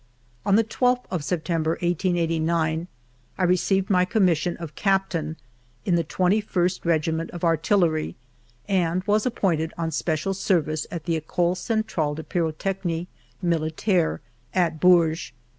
On the 12th of September, 1889, I received my commission of captain in the Twenty first Regiment of Artillery, and was appointed on special service at the Ecole Centrale de Pyro technic Militaire at Bourges.